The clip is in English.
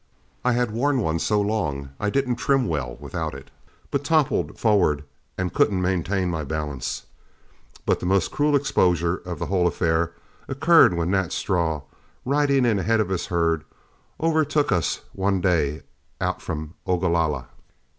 I had worn one so long I didn't trim well without it, but toppled forward and couldn't maintain my balance. But the most cruel exposure of the whole affair occurred when Nat Straw, riding in ahead of his herd, overtook us one day out from Ogalalla.